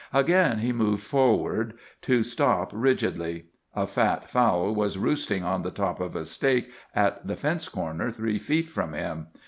Again he moved forward—to stop rigidly. A fat fowl was roosting on the top of a stake in the fence corner three feet from him.